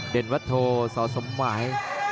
เด่นวัดโทสสมหมาย